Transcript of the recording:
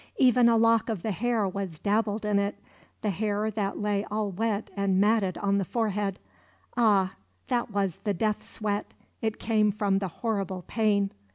Even a lock of the hair was dabbled in it, the hair that lay all wet and matted on the forehead ah, that was the death sweat; it came from the horrible pain.